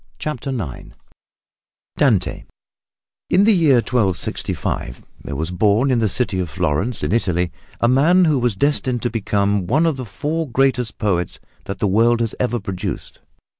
CHAPTER IX DANTE In the year 1265 there was born in the city of Florence in Italy a man who was destined to become one of the four greatest poets that the world has ever produced.